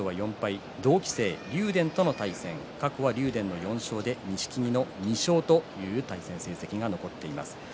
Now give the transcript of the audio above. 今日は４敗、同期生、竜電との対戦、過去は竜電の４勝で錦木の２勝という対戦成績が残っています。